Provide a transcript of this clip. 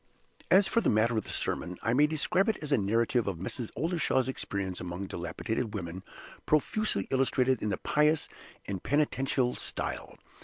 As for the matter of the sermon, I may describe it as a narrative of Mrs. Oldershaw's experience among dilapidated women, profusely illustrated in the pious and penitential style.